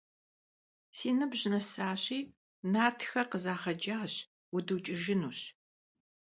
Si nıbj nesaşi, nartxe khızağecaş, vuduç'ıjjınuş.